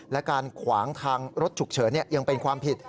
และการขวางทางรถฉุกเฉินยังเป็นความผิด